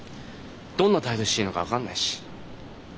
どんな態度していいのか分かんないし。